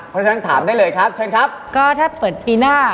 เพราะฉะนั้นถามได้เลยครับถ้าเปิดปีหน้า